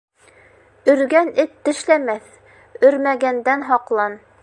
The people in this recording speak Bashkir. Өргән эт тешләмәҫ, өрмәгәндән һаҡлан.